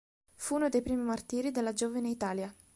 Fu uno dei primi martiri della Giovine Italia.